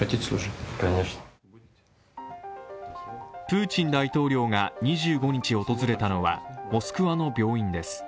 プーチン大統領が２５日訪れたのはモスクワの病院です。